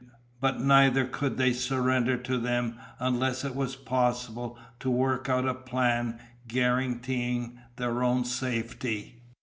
But neither could they surrender to them unless it was possible to work out a plan guaranteeing their own safety.